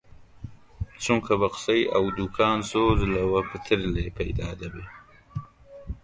چونکە بە قسەی ئەو، دووکان زۆری لەوە پتر لێ پەیدا دەبێ